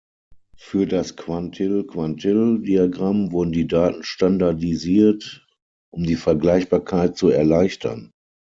Für das Quantil-Quantil-Diagramm wurden die Daten standardisiert, um die Vergleichbarkeit zu erleichtern.